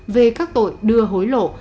về các tội đưa hối lộ